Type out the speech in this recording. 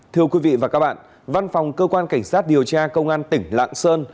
thưa quý vị và các bạn văn phòng cơ quan cảnh sát điều tra công an tỉnh lạng sơn